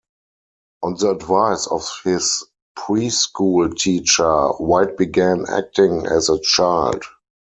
On the advice of his preschool teacher, White began acting as a child.